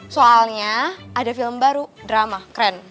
soalnya ada film baru drama keren